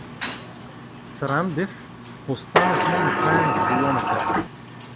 С Рандев постанахме на края на колоната.